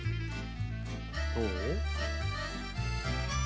・どう？